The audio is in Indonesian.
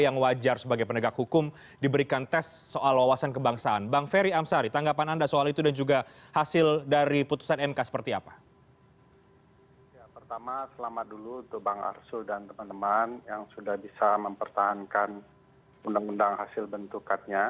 yang sudah bisa mempertahankan undang undang hasil bentukatnya